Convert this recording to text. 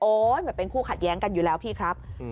เหมือนเป็นคู่ขัดแย้งกันอยู่แล้วพี่ครับ